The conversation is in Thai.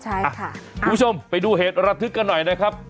คุณผู้ชมไปดูเหตุระทึกกันหน่อยนะครับ